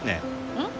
うん？